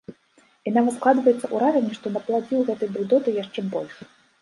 І нават складваецца ўражанне, што напладзіў гэтай брыдоты яшчэ больш.